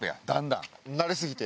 慣れすぎて？